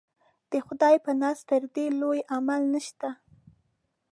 د خدای په نزد تر دې لوی عمل نشته.